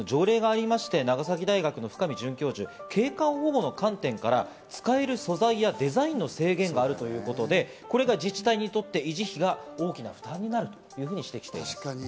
専門家は、条例がありまして長崎大学の深見准教授、景観保護の観点から使える素材やデザインの制限があるということで、これが自治体にとって維持費が大きな負担になると指摘しています。